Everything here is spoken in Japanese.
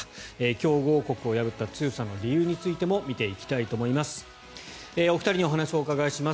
強豪国を破った強さの理由についても見ていきたいと思います。